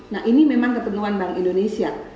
nah ini memang ketentuan bank indonesia